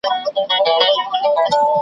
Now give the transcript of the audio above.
چي جنګ سوړ سو میری تود سو .